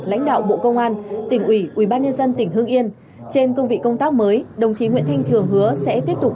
lãnh đạo bộ công an tỉnh ủy ubnd tỉnh hương yên trên cương vị công tác mới đồng chí nguyễn thanh trường hứa sẽ tiếp tục